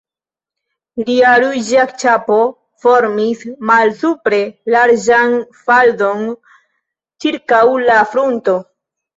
Lia ruĝa ĉapo formis malsupre larĝan faldon ĉirkaŭ la frunto.